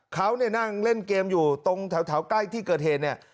เขาเนี่ยนั่งเล่นเกมอยู่ตรงแถวใกล้ที่เกิดเหตุเนี่ย